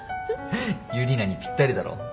ユリナにぴったりだろ。